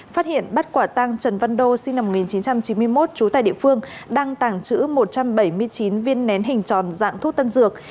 phát hiện bắt quả tăng trần văn đô sinh năm một nghìn chín trăm chín mươi một trú tại địa phương đang tàng trữ một trăm bảy mươi chín viên nén hình tròn dạng thuốc tân dược